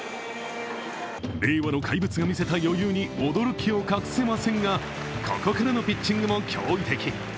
令和の怪物が見せた余裕に驚きを隠せませんがここからのピッチングも驚異的。